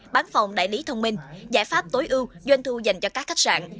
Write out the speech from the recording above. bán phòng đại lý thông minh giải pháp tối ưu doanh thu dành cho các khách sạn